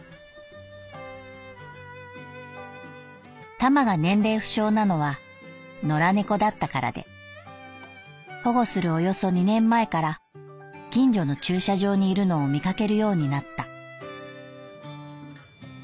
「タマが年齢不詳なのは野良猫だったからで保護するおよそ二年前から近所の駐車場にいるのを見かけるようになった」。